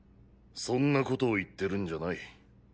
そんなことを言ってるんじゃない。